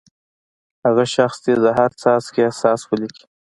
هغه شخص دې د هر څاڅکي احساس ولیکي.